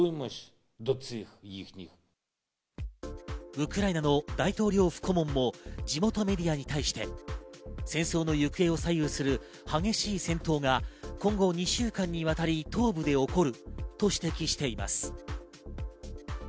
ウクライナの大統領府顧問も地元メディアに対して戦争の行方を左右する激しい戦闘が今後２週間にわたり東部で起こると指摘しています。